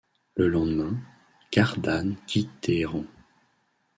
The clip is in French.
Le lendemain, Gardanne quitte Téhéran.